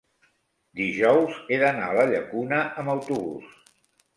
dijous he d'anar a la Llacuna amb autobús.